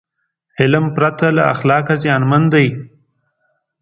علم پرته له اخلاقه زیانمن دی.